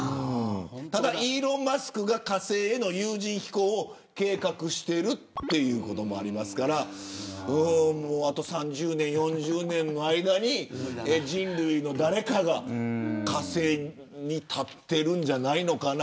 ただ、イーロン・マスクが火星への有人飛行を計画してるっていうこともありますからあと３０年、４０年の間に人類の誰かが火星に立ってるんじゃないのかな。